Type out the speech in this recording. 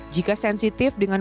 jika sensitif dengan